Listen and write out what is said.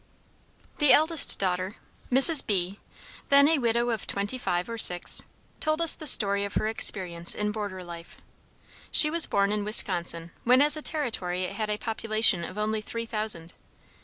The eldest daughter, Mrs. B , then a widow of twenty five or six, told us the story of her experience in border life. She was born in Wisconsin, when as a territory it had a population of only three thousand.